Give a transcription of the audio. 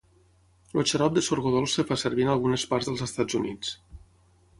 El xarop de sorgo dolç es fa servir en algunes parts dels Estats Units.